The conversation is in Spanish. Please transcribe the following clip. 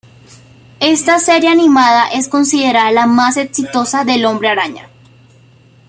Esta serie animada es considerada la más exitosa del Hombre Araña.